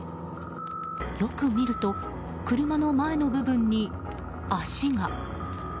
よく見ると、車の前の部分に足が。